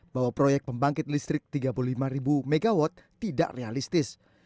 bahwa proyek pembangkit listrik tiga puluh lima mw tidak realistis